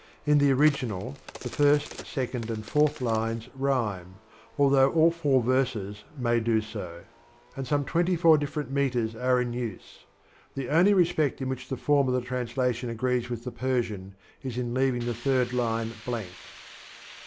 In the original, the first, second and fourth lines rhj'^rae, though all four verses may do so; and some twenty four different meters are in use. The only respect in which the fonn of the translation agrees with the Persian is in leaving the third line blank.